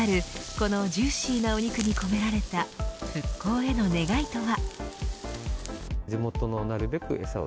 このジューシーなお肉に込められた復興への願いとは。